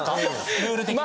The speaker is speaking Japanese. ルール的には。